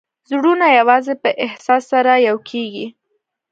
زړونه یوازې په احساس سره یو کېږي.